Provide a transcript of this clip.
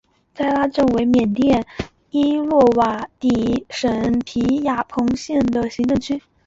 斋拉镇为缅甸伊洛瓦底省皮亚朋县的行政区。